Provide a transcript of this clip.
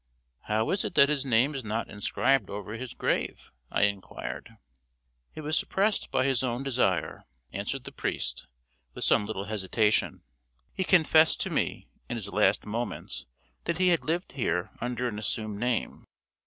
"How is it that his name is not inscribed over his grave?" I inquired. "It was suppressed by his own desire," answered the priest, with some little hesitation. "He confessed to me in his last moments that he had lived here under an assumed name.